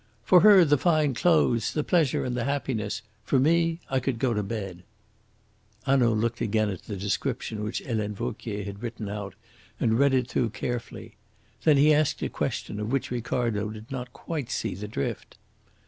"For her the fine clothes, the pleasure, and the happiness. For me I could go to bed!" Hanaud looked again at the description which Helene Vauquier had written out, and read it through carefully. Then he asked a question, of which Ricardo did not quite see the drift.